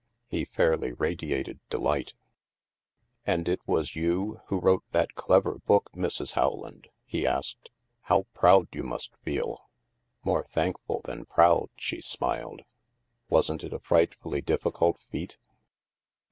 He fairly radiated delight. And it was you who wrote that clever book, Mrs. Howland?*' he asked. "How proud you must feel !" More thankful than proud," she smiled. Wasn't it a frightfully difficult feat?"